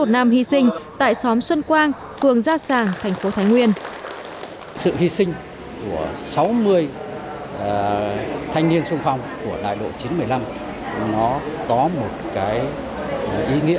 chín mươi một năm hy sinh tại xóm xuân quang phường gia sàng thành phố thái nguyên